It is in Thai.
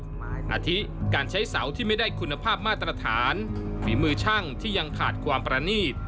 อาทิการใช้เสาที่ไม่ได้คุณภาพมาตรฐานฝีมือช่างที่ยังขาดความประนีต